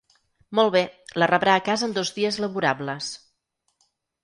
Molt bé, la rebrà a casa en dos dies laborables.